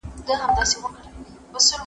په دې کي هيڅ شک نسته، چي د فارسي ژبي